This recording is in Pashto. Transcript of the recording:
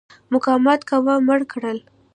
مقاومت کاوه مړه کړل.